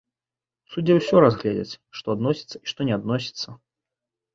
У судзе ўсё разгледзяць, што адносіцца і што не адносіцца.